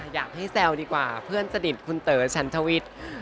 แซวดีกว่าเพื่อนสนิทคุณเต๋อชันทวิทย์